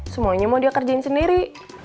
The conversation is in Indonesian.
semuanya mau dia kerjain sendiri